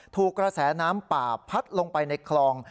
ถูกกระแสน้ำป่าพัดลงไปในคลอง